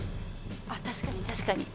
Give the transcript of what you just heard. あっ確かに確かに。